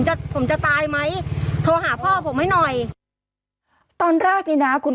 จะผมจะตายไหมโทรหาพ่อผมให้หน่อยตอนแรกนี่นะคุณ